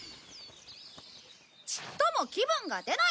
ちっとも気分が出ない！